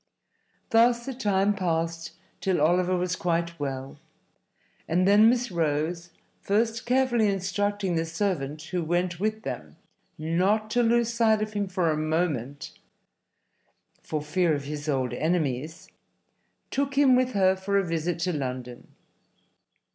Thus the time passed till Oliver was quite well, and then Miss Rose (first carefully instructing the servant who went with them not to lose sight of him for a moment for fear of his old enemies) took him with her for a visit to London.